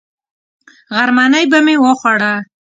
غرمنۍ به مې وخوړه.